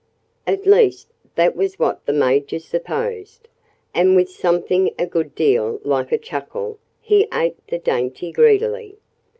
At least, that was what the Major supposed. And with something a good deal like a chuckle he ate the dainty greedily.